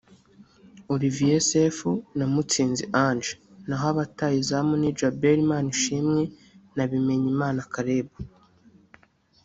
Olivier Sefu na Mutsinzi Ange naho abataha izamu ni Djabel Manishimwe na Bimenyimana Caleb